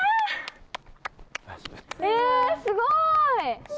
えすごい！